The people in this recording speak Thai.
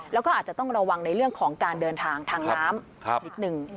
แล้วก็อาจจะต้องระวังในเรื่องของการเดินทางทางน้ำนิดนึง